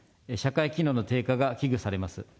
社会機能の低下が危惧されます。